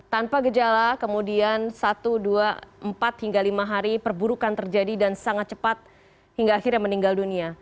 tanpa gejala kemudian satu dua empat hingga lima hari perburukan terjadi dan sangat cepat hingga akhirnya meninggal dunia